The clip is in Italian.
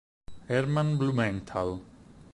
Herman Blumenthal